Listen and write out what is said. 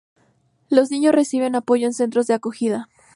Los niños reciben apoyo en centros de acogida.